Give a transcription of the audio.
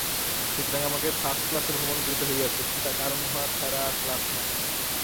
সুতরাং আমাকে ফার্ষ্ট ক্লাসে ভ্রমণ করিতে হইয়াছে, কারণ উহা ছাড়া আর ক্লাস নাই।